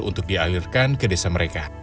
untuk dialirkan ke desa mereka